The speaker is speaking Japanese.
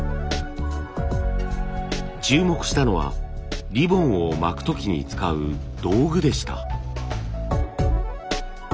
注目したのはリボンを巻く時に使う道具でした。